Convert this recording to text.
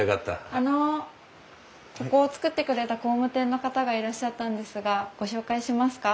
あのここを造ってくれた工務店の方がいらっしゃったんですがご紹介しますか？